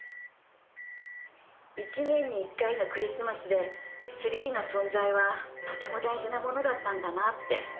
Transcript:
１年に１回のクリスマスでツリーの存在はとても大事なものだったんだなって。